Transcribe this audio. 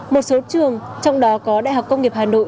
một số trường trong đó có đại học công nghiệp hà nội